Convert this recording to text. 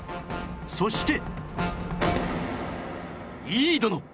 そして